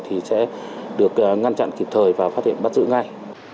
thì sẽ được ngăn chặn kịp thời và phát hiện bắt giữ ngay